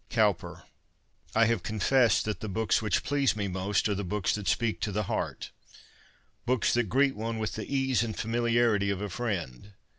Cowper. I have confessed that the books which please me most are the books that speak to the heart — books that greet one with the ease and familiarity of a friend.